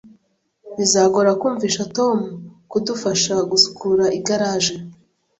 Bizagora kumvisha Tom kudufasha gusukura igaraje